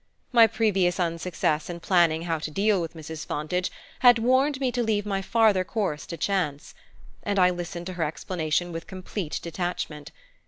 My previous unsuccess in planning how to deal with Mrs. Fontage had warned me to leave my farther course to chance; and I listened to her explanation with complete detachment.